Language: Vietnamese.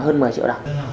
hơn một mươi triệu đồng